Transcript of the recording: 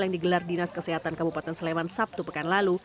yang digelar dinas kesehatan kabupaten sleman sabtu pekan lalu